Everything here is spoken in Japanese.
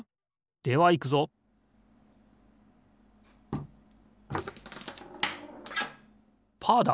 ではいくぞパーだ！